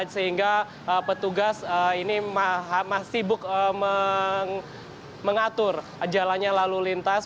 sehingga petugas ini sibuk mengatur jalannya lalu lintas